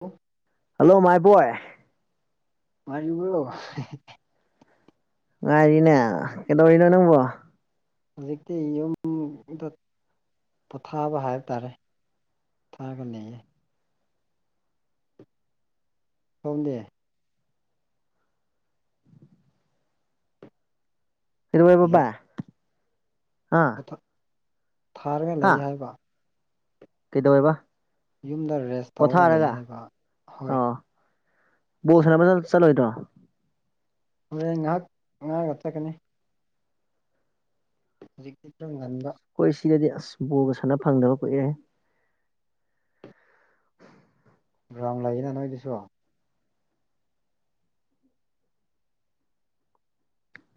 ꯑꯣ ꯍꯜꯂꯣ ꯃꯥꯏꯕꯣꯏ ꯉꯥꯏꯔꯤꯕ꯭ꯔꯣ ꯉꯥꯏꯔꯤꯅꯦ ꯀꯩꯗꯧꯔꯤꯅꯣ ꯅꯪꯕꯣ ꯍꯧꯖꯤꯛꯇꯤ ꯌꯨꯝꯗ ꯄꯣꯊꯥꯕ ꯍꯥꯏꯕ ꯇꯥꯔꯦ ꯊꯥꯒꯅꯦ ꯁꯣꯝꯗꯦ ꯍꯜꯂꯣ ꯏꯑꯣꯏꯕꯕꯥ ꯑ ꯄꯣꯊꯥ ꯊꯥꯔꯒ ꯂꯩ ꯍꯥꯏꯕ ꯀꯩꯗꯧꯋꯦꯕ ꯌꯨꯝꯗ ꯔꯦꯁ ꯇꯧꯔꯒ ꯂꯩ ꯄꯣꯊꯥꯔꯒ ꯍꯥꯏꯕ ꯍꯣꯏ ꯑꯣ ꯕꯣꯜ ꯁꯅꯕ ꯅ ꯆꯠꯂꯣꯏꯗꯣ ꯍꯣꯔꯦꯟ ꯉꯥꯏꯍꯥꯛ ꯉꯥꯡꯒ ꯆꯠꯀꯅꯤ ꯍꯧꯖꯤꯛꯇ ꯑꯗꯨꯝ ꯉꯟꯕ ꯑꯩꯈꯣꯏ ꯁꯤꯗꯗꯤ ꯑꯁ ꯕꯣꯜꯒ ꯁꯥꯟꯅ ꯐꯪꯗꯕ ꯀꯨꯏꯔꯦ ꯔꯥꯡ ꯂꯩꯅ ꯅꯣꯏꯒꯤꯁꯨ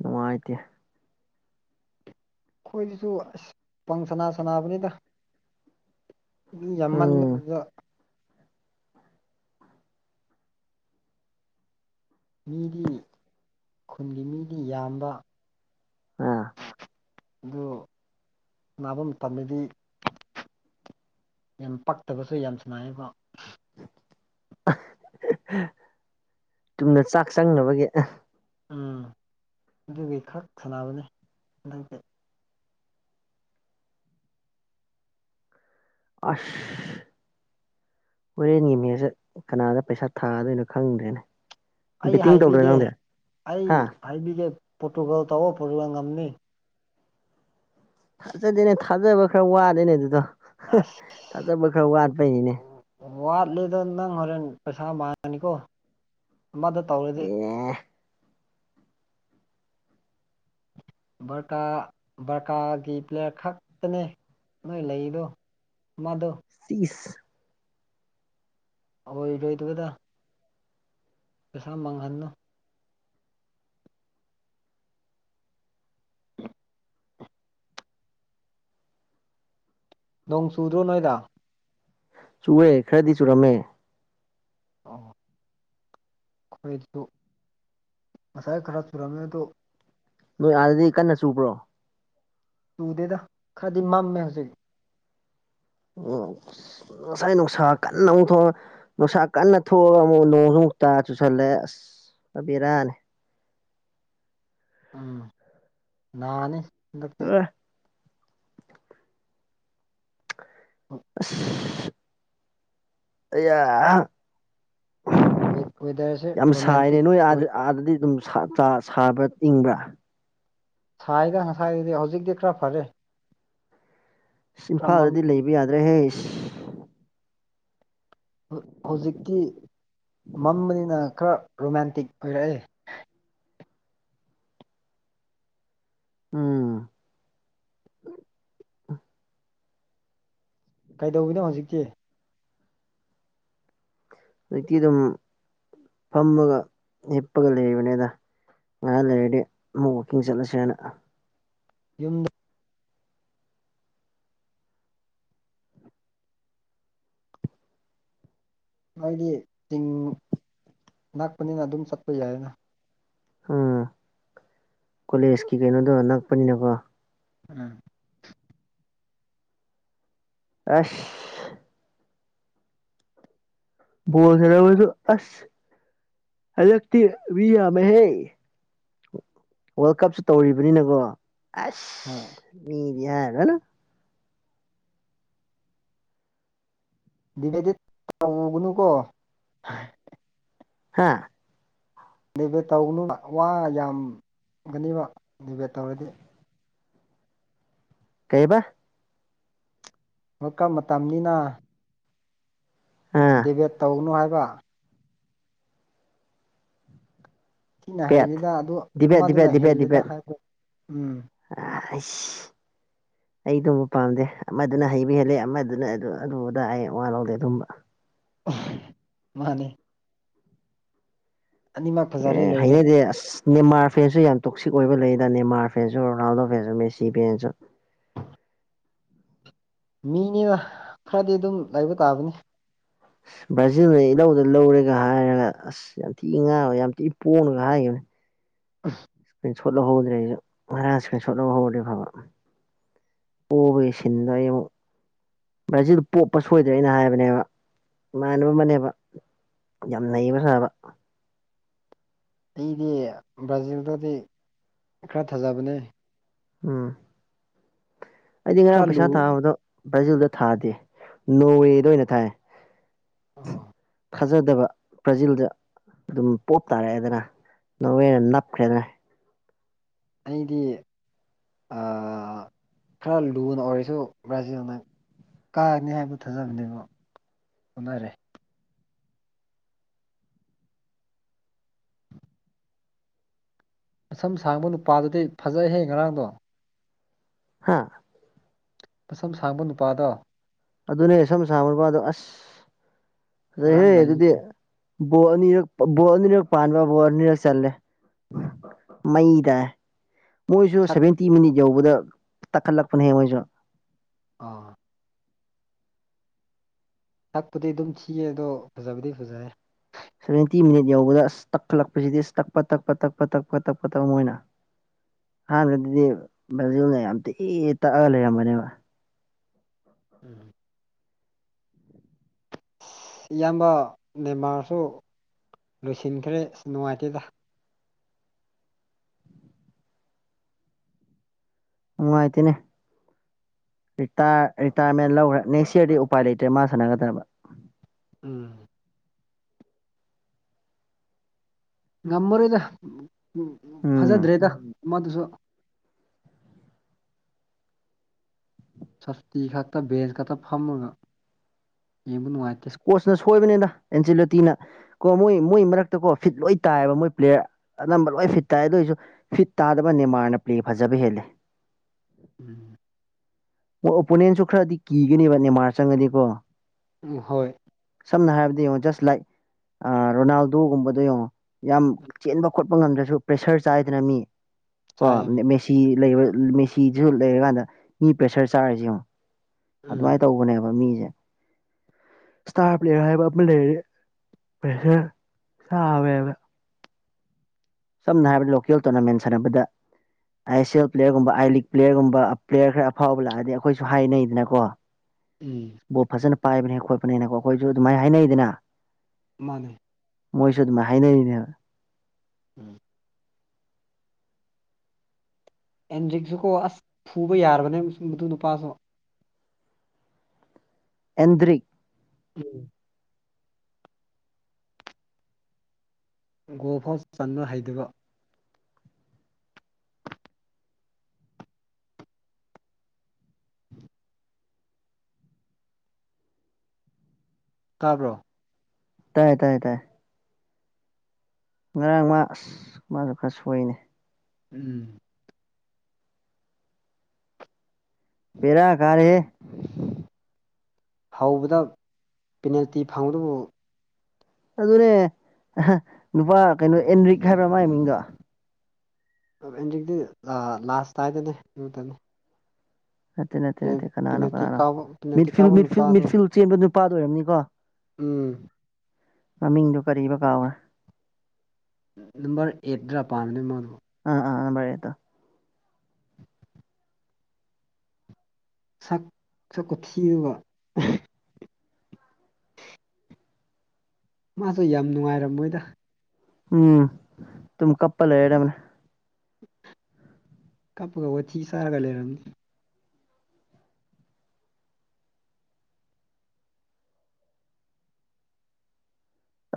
ꯅꯨꯉꯥꯏꯇꯦ ꯑꯩꯈꯣꯏꯗꯁꯨ ꯑꯁ ꯄꯪ ꯁꯅꯥ ꯁꯕꯅꯤꯗ ꯃꯤ ꯎꯝ ꯌꯥꯝꯝꯕꯥꯟꯗꯗ ꯃꯤꯗꯤ ꯈꯨꯟꯒꯤ ꯃꯤꯗꯤ ꯌꯥꯝꯕ ꯑ ꯑꯗꯨ ꯅꯥꯕ ꯃꯇꯝꯗꯤ ꯌꯥꯝ ꯄꯛꯇꯕꯁꯨ ꯌꯥꯝ ꯁꯥꯏꯌꯦꯕ ꯇꯨꯝꯅ ꯆꯥꯛ ꯆꯪꯅꯕꯒꯤ ꯎꯝ ꯑꯗꯨꯒꯤ ꯈꯔ ꯁꯥꯟꯅꯕꯅꯦ ꯍꯟꯗꯛꯇꯤ ꯑꯁ ꯍꯣꯔꯦꯟꯒꯤꯃꯦꯁ ꯀꯅꯥꯗ ꯄꯩꯁꯥ ꯊꯥꯗꯣꯏꯅꯣ ꯈꯪꯗ꯭ꯔꯦꯅꯦ ꯑꯩ ꯕꯦꯠꯇꯤꯡ ꯇꯧꯗ꯭ꯔꯣ ꯍꯥꯏꯕꯤꯒꯦ ꯅꯪꯗꯤ ꯑꯩ ꯍꯥ ꯍꯥꯏꯕꯤꯒꯦ ꯄ꯭ꯔꯣꯇꯨꯒꯣꯜ ꯇꯧꯔ ꯄꯨꯖ ꯉꯝꯅꯤ ꯊꯥꯖꯗꯦꯅꯦ ꯊꯥꯖꯕ ꯈꯔ ꯋꯥꯂꯦꯅꯦ ꯑꯗꯨꯗꯣ ꯑꯁ ꯊꯥꯖꯕ ꯈꯔ ꯋꯥꯠꯄꯩꯅꯤꯅꯦ ꯋꯥꯠꯂꯤꯗꯣ ꯅꯪ ꯍꯣꯔꯦꯟ ꯄꯩꯁꯥ ꯃꯥꯡꯉꯅꯤꯀꯣ ꯑꯃꯗ ꯇꯧꯔꯗꯤ ꯑꯦ ꯕꯔꯀꯥ ꯕꯔꯀꯥꯒꯤ ꯄ꯭ꯂꯦꯌꯥꯔ ꯈꯛꯇꯅꯦ ꯅꯣꯏ ꯂꯩꯔꯤꯗꯣ ꯃꯗꯨ ꯏꯁ ꯑꯣꯏꯔꯣꯏꯗꯕꯗ ꯄꯩꯁꯥ ꯃꯥꯡꯍꯟꯅꯨ ꯅꯣꯡ ꯆꯨꯗ꯭ꯔꯣ ꯅꯣꯏꯗ ꯆꯨꯑꯦ ꯈꯔꯗꯤ ꯆꯨꯔꯝꯃꯦ ꯑꯣ ꯑꯩꯈꯣꯏꯁꯨ ꯉꯁꯥꯏ ꯈꯔ ꯆꯨꯔꯝꯃꯦ ꯑ ꯑꯗꯨ ꯅꯣꯏ ꯑꯥꯗꯤ ꯀꯟꯅ ꯆꯨꯕ꯭ꯔꯣ ꯇꯨꯗꯦꯗ ꯈꯔꯗꯤ ꯃꯝꯃꯦ ꯍꯧꯖꯤꯛ ꯑꯣ ꯉꯁꯥꯏ ꯅꯨꯡꯁꯥ ꯀꯟꯅ ꯑꯃꯨꯛ ꯊꯣꯛꯑ ꯅꯨꯡꯁꯥ ꯀꯟꯅ ꯊꯣꯛꯑꯒ ꯑꯃꯨꯛ ꯅꯣꯡꯁꯨꯃꯨꯛ ꯇꯥ ꯆꯨꯁꯜꯂꯦ ꯑꯁ ꯑꯕꯦꯔꯥꯅꯦ ꯎꯝ ꯅꯥꯅꯤ ꯍꯟꯗꯛꯇꯤ ꯎꯝ ꯑꯁ ꯑꯩ ꯋꯦꯗꯔꯁꯦ ꯌꯥꯝ ꯁꯥꯏꯅꯦ ꯔꯣꯃꯦꯟꯇꯤꯛ ꯅꯣꯏ ꯑꯣꯏ ꯑꯥꯗ ꯑꯥꯗꯗꯤ ꯑꯗꯨꯝ ꯁꯥꯕ ꯏꯪꯕ꯭ꯔꯥ ꯁꯥꯏꯗ ꯉꯁꯥꯏꯒꯤꯗꯤ ꯍꯧꯖꯤꯛꯇꯤ ꯈꯔ ꯐꯔꯦ ꯑ ꯈꯔ ꯃꯝ ꯏꯝꯐꯥꯜꯗꯗꯤ ꯂꯩꯕ ꯌꯥꯗ꯭ꯔꯦꯍꯦ ꯏꯁ ꯍꯧꯖꯤꯛꯇꯤ ꯃꯝꯕꯅꯤꯅ ꯈꯔ ꯔꯣꯃꯦꯟꯇꯤꯛ ꯑꯣꯏꯔꯛꯑꯦ ꯎꯝ ꯀꯩꯗꯧꯔꯤꯅꯣ ꯍꯧꯖꯤꯛꯇꯤ ꯍꯧꯖꯤꯛꯇꯤ ꯑꯗꯨꯝ ꯐꯝꯃꯒ ꯍꯤꯞꯄꯒ ꯂꯩꯕꯅꯤꯗ ꯉꯥꯏꯍꯥꯡ ꯂꯩꯔꯗꯤ ꯑꯃꯨꯛ ꯋꯥꯛꯀꯤꯡ ꯆꯠꯂꯁꯦ ꯍꯥꯏꯅ ꯌꯨꯝꯗ ꯑꯩꯣꯏꯗꯤ ꯆꯤꯡ ꯅꯥꯛꯄꯅꯤꯅ ꯑꯗꯨꯝ ꯆꯠꯄ ꯌꯥꯏꯅ ꯎꯝ ꯀꯣꯂꯦꯖꯀꯤ ꯀꯩꯅꯣꯗꯣ ꯅꯛꯄꯅꯤꯅꯀꯣ ꯎꯝ ꯑꯁ ꯕꯣꯜ ꯁꯥꯅꯕꯁꯨ ꯑꯁ ꯍꯟꯗꯛꯇꯤ ꯃꯤ ꯌꯥꯝꯃꯦꯍꯦ ꯋꯥꯔꯜ ꯀꯞꯁꯨ ꯇꯧꯔꯤꯕꯅꯤꯅꯀꯣ ꯍꯣꯏ ꯑꯁ ꯃꯤꯗꯤ ꯍꯥꯏꯔꯨꯔꯅꯨ [unintelligible] ꯇꯧꯒꯅꯨꯀꯣ ꯍꯥꯥ ꯗꯤꯚꯦꯠ ꯇꯧꯒꯅꯨ ꯋꯥ ꯌꯥꯝꯒꯅꯦꯕ ꯗꯦꯚꯦꯠ ꯇꯧꯔꯗꯤ ꯀꯩꯕ ꯋꯥꯜ ꯀꯞ ꯃꯇꯝꯅꯤꯅ ꯑꯥ ꯗꯦꯕꯦꯠ ꯇꯧꯒꯅꯨ ꯍꯥꯏꯕ ꯁꯤꯅ ꯕꯦꯠ ꯍꯦꯜꯂꯤꯗ ꯑꯗꯨ ꯗꯤꯕꯦꯠ ꯑꯃꯗꯨꯅ ꯗꯤꯕꯦꯠ ꯗꯤꯕꯦꯠ ꯍꯦꯜꯂꯤꯗ ꯗꯤꯕꯦꯠ ꯍꯥꯏꯕ ꯎꯝ [unintelligible] ꯑꯩ ꯑꯗꯨꯝꯕ ꯄꯥꯝꯗꯦ ꯑꯃꯗꯨꯅ ꯍꯩꯕ ꯍꯦꯜꯂꯦ ꯑꯃꯗꯨꯅ ꯑꯗꯨ ꯑꯗꯨꯗ ꯑꯩ ꯋꯥ ꯂꯧꯗꯦ ꯑꯗꯨꯝꯕ ꯃꯥꯅꯦ ꯑꯅꯤꯃꯛ ꯐꯖꯔꯦ ꯑꯦ ꯂꯣꯏꯔꯦ ꯍꯥꯏꯅ ꯗꯦ ꯑꯁ ꯅꯦꯃꯥꯔ ꯐꯦꯟꯁꯨ ꯌꯥꯝ ꯇꯣꯛꯁꯤꯛ ꯑꯣꯏꯕ ꯂꯩꯗ ꯅꯦꯃꯥꯔ ꯐꯦꯟꯁꯨ ꯔꯣꯅꯥꯜꯗꯣ ꯐꯦꯟꯁꯨ ꯃꯦꯁꯤ ꯐꯦꯟꯁꯨ ꯃꯤꯅꯤꯅ ꯈꯔꯗꯤ ꯑꯗꯨꯝ ꯂꯩꯕ ꯇꯥꯕꯅꯤ ꯕ꯭ꯔꯥꯖꯤꯜꯅ ꯏꯜꯂꯧꯗ ꯂꯧꯔꯦꯒ ꯍꯥꯏꯔꯒ ꯑꯁ ꯌꯥꯝ ꯊꯤꯅ ꯉꯥꯕ ꯌꯥꯝ ꯊꯤ ꯄꯣꯡꯉꯒ ꯍꯥꯏꯈꯤꯕꯅꯦ ꯑꯁ ꯏꯁꯀ꯭ꯔꯤꯟ ꯁꯣꯠ ꯂꯧꯍꯧꯗ꯭ꯔꯦ ꯑꯩꯁꯨ ꯉꯔꯥꯡ ꯏꯁꯀ꯭ꯔꯤꯟ ꯁꯣꯠ ꯂꯧꯍꯧꯔꯗꯤ ꯐꯕ ꯄꯣꯕꯒꯤ ꯁꯤꯟꯗꯣ ꯑꯩ ꯑꯃꯨꯛ ꯕ꯭ꯔꯥꯖꯤꯛ ꯄꯣꯞꯄ ꯁꯣꯏꯗ꯭ꯔꯦ ꯑꯩꯅ ꯍꯥꯏꯕꯅꯦꯕ ꯏꯃꯥꯟꯅꯕ ꯑꯃꯅꯦꯕ ꯌꯥꯝ ꯅꯩꯕ ꯁꯥꯕ ꯑꯩꯗꯤ ꯕ꯭ꯔꯥꯖꯤꯜꯗꯗꯤ ꯈꯔ ꯊꯥꯖꯕꯅꯦ ꯎꯝ ꯑꯩꯗꯤ ꯈꯔ ꯉꯔꯥꯡ ꯂꯨ ꯄꯩꯁꯥ ꯊꯥꯕꯗꯣ ꯕ꯭ꯔꯥꯖꯤꯜꯗ ꯊꯥꯗꯦ ꯅꯣꯋꯦꯗ ꯑꯣꯏꯅ ꯊꯥꯏ ꯑꯣ ꯐꯥꯖꯗꯕ ꯄꯕ꯭ꯔꯖꯤꯜꯗ ꯑꯗꯨꯝ ꯄꯣꯞ ꯇꯥꯔꯛꯑꯦꯗꯅ ꯅꯧꯋꯦꯅ ꯅꯞꯈ꯭ꯔꯦꯗꯅ ꯑꯩꯗꯤ ꯑ ꯈꯔ ꯂꯨꯅ ꯑꯣꯏꯔꯁꯨ ꯕ꯭ꯔꯥꯖꯤꯜꯅ ꯀꯥꯔꯅꯤ ꯍꯥꯏꯕ ꯊꯥꯖꯕꯅꯦꯕ ꯑꯣꯅꯔꯦ ꯃꯁꯝ ꯁꯥꯡꯕ ꯅꯨꯄꯥꯗꯨꯗꯤ ꯐꯖꯩꯍꯦ ꯉꯔꯥꯡꯗꯣ ꯍꯥ ꯃꯁꯝ ꯁꯥꯡꯕ ꯅꯨꯄꯥꯗꯣ ꯑꯗꯨꯅꯦ ꯁꯝ ꯁꯥꯡꯕ ꯅꯨꯄꯥꯗꯣ ꯑꯁ ꯐꯖꯩꯍꯦ ꯉꯔꯥꯡ ꯂꯩ ꯑꯗꯨꯗꯤ ꯕꯣꯜ ꯑꯅꯤꯔꯛ ꯕꯣꯜ ꯑꯅꯤꯔꯛ ꯄꯥꯟꯕ ꯕꯣꯜ ꯑꯅꯤꯔꯛ ꯆꯜꯂꯦ ꯃꯩ ꯇꯥꯏ ꯃꯣꯏꯁꯨ ꯁꯛ ꯁꯦꯚꯦꯟꯇꯤ ꯃꯤꯅꯤꯠ ꯌꯧꯕꯗ ꯇꯛꯈꯠꯂꯛꯄꯅꯦ ꯍꯦ ꯃꯣꯏꯁꯨ ꯑꯣ ꯊꯛꯄꯨꯗꯤ ꯑꯗꯨꯝ ꯊꯤꯌꯦ ꯑꯗꯣ ꯐꯖꯕꯗꯤ ꯐꯖꯔꯦ ꯁꯚꯦꯟꯇꯤ ꯃꯤꯅꯤꯠ ꯌꯧꯕꯗ ꯑꯁ ꯇꯛꯈꯠꯂꯛꯄꯁꯤꯗꯤ ꯑꯁ ꯇꯛꯄ ꯇꯛꯄ ꯇꯛꯄ ꯇꯛꯄ ꯇꯛꯄ ꯇꯛꯄ ꯃꯣꯏꯅ ꯑꯍꯥꯟꯕꯗꯗꯤ ꯕ꯭ꯔꯥꯖꯤꯜꯅ ꯌꯥꯝ ꯇꯤ ꯇꯛꯑꯒ ꯂꯩꯔꯝꯕꯅꯦꯕ ꯎꯝ ꯏꯌꯥꯝꯕ ꯅꯦꯟꯃꯥꯔꯁꯨ ꯂꯣꯏꯁꯤꯟꯈ꯭ꯔꯦ ꯑꯁ ꯅꯨꯡꯉꯥꯏꯇꯦꯗ ꯅꯨꯡꯉꯥꯏꯇꯦꯅꯦ ꯔꯤꯇꯥꯌꯔ ꯔꯤꯇꯥꯌꯔꯃꯦꯟ ꯂꯧꯒ꯭ꯔꯦ ꯅꯦꯛꯁ ꯌꯔꯗꯤ ꯎꯄꯥꯏ ꯂꯩꯇ꯭ꯔꯦ ꯃꯥ ꯁꯥꯟꯅꯒꯗꯕ ꯎꯝ ꯉꯝꯃꯔꯣꯏꯗ ꯎꯝ ꯐꯖꯗ꯭ꯔꯦꯗ ꯃꯥꯗꯨꯁꯨ ꯁꯁꯇꯤ ꯈꯛꯇꯥ ꯕꯦꯟꯖ ꯈꯛꯇꯥ ꯐꯝꯃꯒ ꯌꯦꯡꯕ ꯅꯨꯡꯉꯥꯏꯇꯦ ꯀꯣꯆꯅ ꯁꯣꯏꯕꯅꯤꯗ ꯑꯦꯟꯖꯤꯂꯣꯇꯤꯅ ꯀꯣ ꯃꯣꯏ ꯃꯣꯏ ꯃꯔꯛꯇ ꯀꯣ ꯐꯤꯠ ꯂꯣꯏ ꯇꯥꯏꯑꯕ ꯃꯣꯏ ꯄ꯭ꯂꯦꯌꯔ ꯑꯅꯝꯕ ꯂꯣꯏ ꯐꯤꯠ ꯇꯥꯏ ꯑꯗꯨ ꯑꯣꯏꯁꯨ ꯐꯤꯠ ꯇꯥꯗꯕ ꯅꯦꯃꯥꯔꯅ ꯄ꯭ꯂꯦ ꯐꯖꯕ ꯍꯦꯜꯂꯦ ꯎꯝ ꯑꯣ ꯑꯣꯄꯣꯅꯦꯟꯁꯨ ꯈꯔꯗꯤ ꯀꯤꯒꯅꯦꯕ ꯅꯦꯃꯥꯔ ꯆꯪꯉꯗꯤ ꯀꯣ ꯎꯝ ꯍꯣꯏ ꯁꯝꯅ ꯍꯥꯏꯔꯕꯗ ꯌꯦꯡꯉꯣ ꯖꯁ ꯂꯥꯏꯛ ꯔꯣꯅꯥꯜꯗꯣꯒꯨꯝꯕꯗꯣ ꯌꯦꯡꯉꯣ ꯌꯥꯝ ꯆꯦꯟꯕ ꯈꯣꯠꯄ ꯉꯝꯗ꯭ꯔꯁꯨ ꯄ꯭ꯔꯦꯁꯔ ꯆꯥꯏꯗꯅ ꯃꯤ ꯀꯣ ꯆꯥꯏ ꯎꯝ ꯃꯦꯁꯤ ꯂꯩꯕ ꯃꯦꯁꯤꯗꯨꯁꯨ ꯂꯩꯔꯀꯥꯟꯗ ꯃꯤ ꯄ꯭ꯔꯦꯁꯔ ꯆꯥꯔꯖꯦ ꯌꯦꯡꯉꯨ ꯑꯗꯨꯃꯥꯏꯅ ꯇꯧꯕꯅꯦꯕ ꯃꯤꯖꯦ ꯁꯇꯥꯔ ꯄ꯭ꯂꯦꯌꯔ ꯍꯥꯏꯕ ꯑꯃ ꯂꯩꯔꯦ ꯄ꯭ꯔꯦꯁꯔ ꯆꯋꯦꯕ ꯁꯝꯅ ꯍꯥꯏꯔꯕꯗ ꯂꯣꯀꯦꯜ ꯇꯣꯔꯅꯥꯃꯦꯟ ꯁꯥꯟꯅꯕꯗ ꯑꯥꯏ ꯑꯦꯁ ꯁꯤ ꯑꯦꯜ ꯄ꯭ꯂꯦꯌꯔꯒꯨꯝꯕ ꯑꯥꯏ ꯂꯤꯛ ꯄ꯭ꯂꯦꯌꯔꯒꯨꯝꯕ ꯄ꯭ꯂꯦꯌꯔ ꯈꯔ ꯑꯐꯥꯎꯕ ꯂꯥꯛꯑꯗꯤ ꯑꯩꯈꯣꯏꯁꯨ ꯍꯥꯏꯅꯩꯗꯅꯀꯣ ꯎꯝ ꯕꯣꯜ ꯐꯖꯅ ꯄꯥꯏꯕꯅꯦ ꯈꯣꯠꯄꯅꯦꯅꯀꯣ ꯑꯩꯈꯣꯏꯖꯨ ꯑꯗꯨꯃꯥꯏꯅ ꯍꯥꯏꯅꯩꯗꯅ ꯃꯥꯅꯦ ꯃꯣꯏꯁꯨ ꯑꯗꯨꯃꯥꯏ ꯍꯥꯏꯅꯔꯤꯅꯦꯕ ꯎꯝ ꯑꯦꯟꯗ꯭ꯔꯤꯛꯁꯨ ꯀꯣ ꯑꯁ ꯐꯨꯕ ꯌꯥꯔꯕꯅꯦ ꯃꯗꯨ ꯅꯨꯄꯥꯁꯨ ꯑꯦꯟꯗ꯭ꯔꯤꯛ ꯎꯝ ꯒꯣꯜ ꯐꯥꯎ ꯆꯟꯕ ꯍꯩꯇꯦꯀꯣ [unintelligible] ꯇꯥꯕ꯭ꯔꯣ ꯇꯥꯏ ꯇꯥꯏ ꯇꯥꯏ ꯉꯔꯥꯡ ꯃꯥ ꯑꯁ ꯃꯥꯗꯨ ꯈꯔ ꯁꯣꯏꯅꯦ ꯎꯝ ꯕꯦꯔꯥ ꯀꯥꯔꯦꯍꯦ ꯍꯧꯕꯗ ꯄꯦꯅꯦꯜꯇꯤ ꯐꯪꯕꯗꯨꯕꯨ ꯑꯗꯨꯅꯦ ꯅꯨꯄꯥ ꯀꯩꯅꯣ ꯑꯦꯟꯗ꯭ꯔꯤꯛ ꯍꯥꯏꯕ꯭ꯔꯥ ꯃꯥꯒꯤ ꯃꯤꯡꯗꯣ ꯑꯦꯟꯗ꯭ꯔꯤꯛꯇꯤ ꯂꯥꯁꯇꯥꯏꯗꯅꯦ ꯑꯗꯨꯗꯅꯦ ꯅꯠꯇꯦ ꯅꯠꯇꯦ ꯅꯠꯇꯦ ꯀꯅꯥꯅꯣ ꯄꯦꯅꯥꯜꯇꯤ ꯀꯅꯥꯅꯣ ꯀꯥꯎꯕ ꯃꯤꯠ ꯄꯦꯅꯥꯜꯇꯤ ꯐꯤꯜ ꯀꯥꯎꯕ ꯃꯤꯠ ꯐꯤꯜ ꯃꯤꯠ ꯅꯨꯄꯥꯗꯣ ꯐꯤꯜ ꯆꯦꯟꯕ ꯅꯨꯄꯥꯗꯣ ꯑꯣꯏꯔꯝꯅꯤꯀꯣ ꯎꯝ ꯃꯃꯤꯡꯗꯨ ꯀꯔꯤꯕ ꯀꯥꯒꯔꯦ ꯅꯝꯕꯔ ꯑꯩꯠ ꯗ꯭ꯔ ꯄꯥꯟꯕꯅꯦ ꯃꯗꯣ ꯑꯥ ꯑꯥ ꯅꯝꯕꯔ ꯑꯩꯠꯇꯣ ꯁꯛꯁꯨ ꯀꯨꯊꯤꯃꯥ ꯃꯥꯁꯨ ꯌꯥꯝ ꯅꯨꯡꯉꯥꯏꯔꯝꯃꯣꯏꯗ ꯎꯝ ꯇꯨꯝ ꯀꯞꯄ ꯂꯩꯔꯗꯕꯅꯦ ꯀꯞꯄꯒ ꯋꯥꯊꯤ ꯆꯔꯒ ꯂꯩꯔꯝ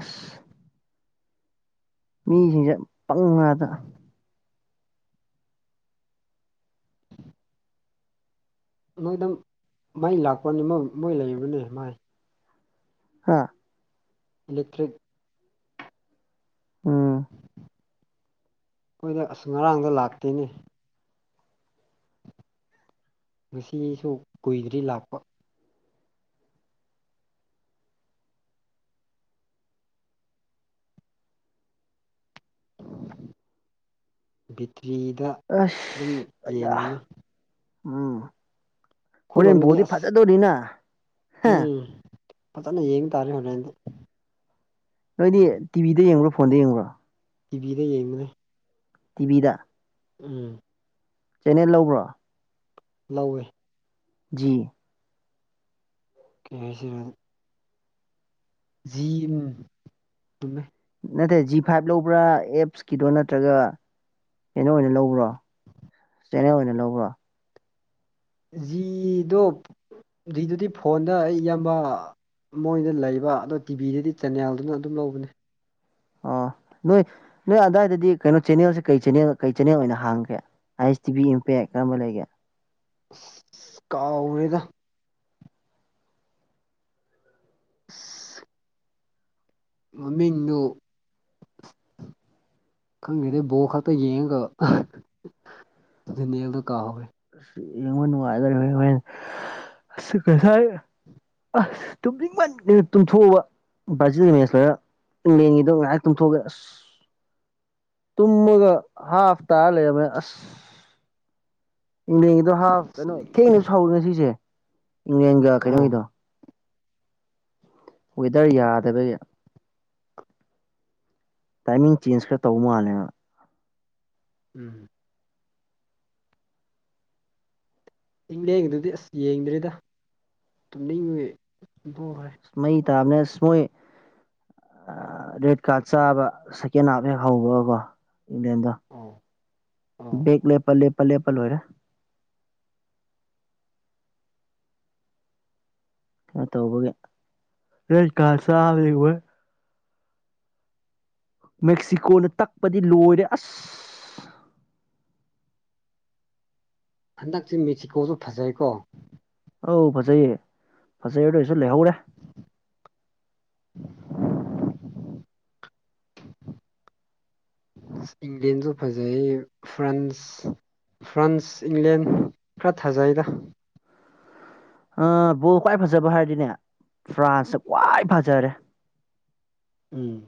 ꯑꯁ ꯃꯤꯖꯤꯡꯁꯦ ꯄꯪꯉꯥꯗ ꯅꯣꯏꯗ ꯃꯩ ꯂꯥꯛꯄꯅꯤ ꯃꯣꯏ ꯂꯩꯕꯅꯤ ꯃꯥꯏ ꯍꯥ ꯏꯂꯦꯛꯇ꯭ꯔꯤꯛ ꯎꯝ ꯑꯩꯈꯣꯏꯗ ꯑꯁ ꯉꯔꯥꯡꯗ ꯂꯥꯛꯇ‌ꯦꯅꯦ ꯉꯁꯤꯁꯨ ꯀꯨꯏꯗ꯭ꯔꯤ ꯂꯥꯛꯄ ꯕꯦꯇ꯭ꯔꯤꯗ ꯑꯗꯨꯝ ꯑꯁ ꯑꯌꯥ ꯌꯦꯡꯉꯨꯅꯤ ꯎꯝ ꯍ‌ꯣꯔ‌ꯦꯟ ꯑꯩꯈꯣꯏꯔꯣꯝꯗꯗꯤ ꯕ‌ꯣꯜꯗꯤ ꯑꯁ ꯐꯥꯖꯗꯧꯔꯤꯅꯥ ꯍꯥ ꯎꯝ ꯐꯖꯅ ꯌꯦꯡ ꯇꯥꯔꯦ ꯍꯣꯔꯦꯟꯗꯤ ꯅꯣꯏꯗꯤ ꯇꯤꯕꯤꯗ ꯌꯦꯡꯕ꯭ꯔꯣ ꯐꯣꯟꯗ ꯌꯦꯡꯕ꯭ꯔꯣ ꯇꯤꯚꯤꯗ ꯌꯦꯡꯕꯦ ꯇꯤꯚꯤꯗ ꯎꯝ ꯆꯦꯅꯦꯜ ꯂꯧꯕ꯭ꯔꯣ ꯂꯧꯋꯦ ꯖꯤ ꯀꯦꯁꯤꯔ ꯎꯝꯃꯦ ꯅꯠꯇꯦ ꯖꯤ ꯐꯥꯏꯚ ꯂꯧꯕ꯭ꯔꯥ ꯑꯦꯞꯁꯀꯤꯗꯣ ꯅꯠꯇ꯭ꯔꯒ ꯀꯩꯅꯣ ꯑꯣꯏꯅ ꯂꯧꯕ꯭ꯔꯣ ꯆꯅꯔ ꯑꯣꯏꯅ ꯂꯧꯕ꯭ꯔꯣ ꯖꯤꯗꯣ ꯖꯤꯗꯨꯗꯤ ꯐꯣꯟꯗ ꯑꯩ ꯏꯌꯥꯝꯕ ꯃꯣꯏꯗ ꯂꯩꯕ ꯑꯗꯣ ꯇꯤꯚꯤꯗꯗꯤ ꯆꯦꯟꯅꯜꯗꯨꯅ ꯑꯗꯨꯝ ꯂꯧꯕꯅꯦ ꯑꯣ ꯅꯣꯏ ꯅꯣꯏ ꯑꯗ꯭ꯋꯥꯏꯗꯗꯤ ꯀꯩꯅꯣ ꯆꯦꯅꯦꯜꯁꯦ ꯀꯩ ꯆꯦ ꯀꯩ ꯆꯦꯅꯦꯜ ꯑꯣꯏꯅ ꯍꯥꯡꯒꯦ ꯑꯩꯥꯏꯁ ꯇꯤꯚ ꯏꯝꯄꯦꯛ ꯀꯔꯝꯕ ꯂꯩꯒꯦ ꯀꯥꯎꯔꯦꯗ [unintelligible] ꯃꯃꯤꯡꯗꯨꯨ ꯈꯪꯗꯦꯗ ꯕꯣꯔ ꯈꯛꯇ ꯌꯦꯡꯉꯒ ꯑꯗꯨ ꯅꯦꯜꯗ ꯀꯥꯍꯧꯔꯦ ꯌ‌ꯦꯜꯉꯨ ꯅꯨꯡꯉꯥꯏꯔ [unintelligible] ꯑꯁ ꯀꯁ ꯑꯁ ꯇꯨꯝꯅꯤꯡꯃꯟꯗꯅ ꯇꯨꯝꯊꯣꯛꯑꯕ ꯕ꯭ꯔꯥꯖꯤꯜ ꯃ‌ꯦꯁ ꯂ‌ꯣꯏꯔ ꯏꯪꯂꯦꯟꯒꯤꯗꯣ ꯉꯥꯏꯍꯥꯛ ꯇꯨꯝꯊꯣꯛꯑꯒ‌ꯦ ꯑꯁ ꯇꯨꯝꯃꯒ ꯍꯥꯐ ꯇꯥ ꯂꯩꯔꯝꯃ‌ꯦ ꯑꯁ ꯏꯪꯂꯦꯟꯒꯤꯗꯣ ꯍꯥꯞ ꯀꯩꯅꯣ ꯊꯦꯡꯅꯁꯨ ꯍꯧꯔꯦ ꯉꯁꯤꯁꯦ ꯏꯪꯂꯦꯟꯒ ꯎꯝ ꯀꯩꯅꯣꯒꯤꯗꯣ ꯋꯦꯗꯔ ꯌꯥꯗꯕ ꯇꯥꯏꯃꯤꯡ ꯆꯦꯟꯖ ꯈꯔ ꯇꯧꯕ ꯃꯥꯜꯂꯦꯕ ꯎꯝ ꯏꯪꯂꯦꯟꯗꯨꯗꯤ ꯑꯁ ꯌꯦꯡꯗ꯭ꯔ‌ꯦꯗ ꯇꯨꯝꯅꯤꯡꯕꯒꯤ ꯇꯨꯝꯊꯣꯛꯈ꯭ꯔꯦ ꯃꯩ ꯇꯥꯕꯅꯦ ꯑꯁ ꯃꯣꯏ ꯔꯦꯠ ꯀꯥꯔꯠ ꯆꯥꯕ ꯁꯦꯀꯦꯟ ꯍꯥꯞ ꯍꯦꯛ ꯍꯧꯕꯒꯀꯣ ꯏꯪꯂꯦꯟꯗ ꯑꯣ ꯑꯣ ꯕꯦꯛ ꯂꯦꯞꯄ ꯂꯦꯞꯄ ꯂꯦꯞꯄ ꯂꯣꯏꯔꯦ ꯀꯩꯅꯣ ꯇꯧꯕꯒꯤ ꯔ‌ꯦꯠ ꯀꯥꯔ ꯆꯥꯕꯗꯤ ꯍꯣꯏ ꯃꯦꯛꯁꯤꯀꯣꯅ ꯇꯛꯄꯗꯤ ꯂꯣꯏꯔꯦ ꯑꯁ ꯍꯟꯗꯛꯁꯤ ꯃꯦꯛꯁꯤꯀꯣꯁꯨ ꯐꯖꯩꯀꯣ ꯑꯧ ꯐꯖꯩꯌꯦ ꯐꯖꯩ ꯑꯗꯨ ꯑꯣꯏꯁꯨ ꯂꯩꯍꯧꯔꯦ [unintelligible] ꯏꯪꯂ‌ꯦꯟꯁꯨ ꯐꯖꯩꯌꯦ ꯐ꯭ꯔꯥꯟꯁ ꯐ꯭ꯔꯥꯟꯁ ꯏꯪꯂꯦꯟ ꯈꯔ ꯊꯥꯖꯩꯗ ꯑ ꯕꯣꯜ ꯈ꯭ꯋꯥꯏ ꯐꯖꯕ ꯍꯥꯏꯔꯗꯤꯅꯦ ꯐ꯭ꯔꯥꯟꯁꯇ ꯈ꯭ꯋꯥꯏ ꯐꯖꯔꯦ ꯎꯝ